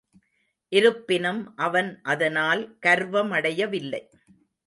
இருப்பினும் அவன் அதனால் கர்வமடையவில்லை.